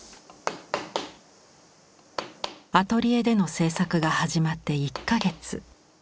アトリエでの制作が始まって１か月。